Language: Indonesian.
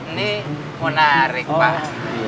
nih mau narik pak